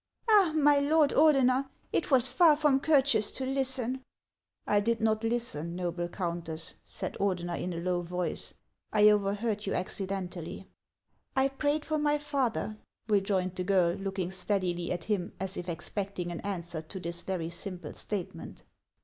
" Ah ! my lord Ordener, it was far from courteous to listen." " I did not listen, noble Countess," said Ordener in a low voice ;" I overheard you accidentally." " I prayed for my father," rejoined the girl, looking steadily at him, as if expecting an answer to this very simple statement.